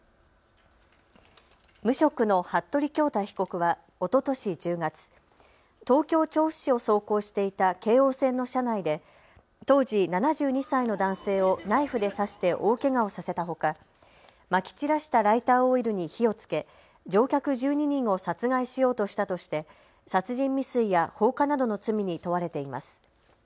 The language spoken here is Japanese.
無職の服部恭太被告はおととし１０月、東京調布市を走行していた京王線の車内で当時７２歳の男性をナイフで刺して大けがをさせたほかまき散らしたライターオイルに火をつけ乗客１２人を殺害しようとしたとして殺人未遂や放火などの罪に問われています。